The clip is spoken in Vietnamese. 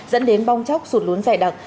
dẫn đến bong chóc sụt lún dài đặc